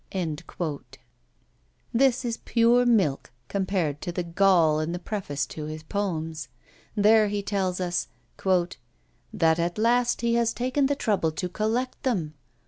This is pure milk compared to the gall in the preface to his poems. There he tells us, "that at last he has taken the trouble to collect them!